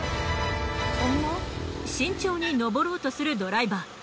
慎重に上ろうとするドライバー。